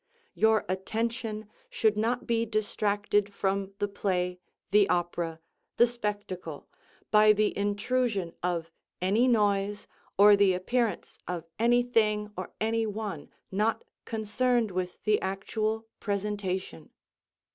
Your attention should not be distracted from the play, the opera, the spectacle, by the intrusion of any noise or the appearance of anything or anyone not concerned with the actual presentation.